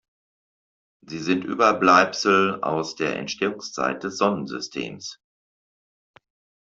Sie sind Überbleibsel aus der Entstehungszeit des Sonnensystems.